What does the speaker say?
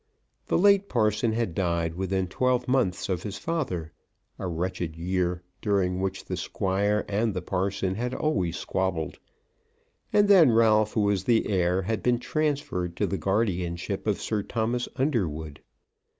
The late parson had died within twelve months of his father, a wretched year, during which the Squire and the parson had always squabbled, and then Ralph who was the heir had been transferred to the guardianship of Sir Thomas Underwood.